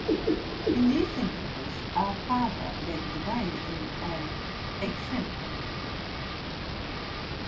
In these endeavors our father led the way in an exemplary manner.